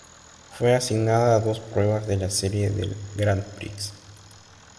Fue asignada a dos pruebas de la serie del Grand Prix.